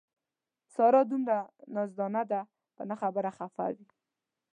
ساره دومره نازدان ده په نه خبره خپه وي.